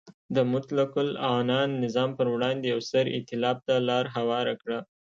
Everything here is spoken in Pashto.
د مطلقه العنان نظام پر وړاندې یو ستر ایتلاف ته لار هواره کړه.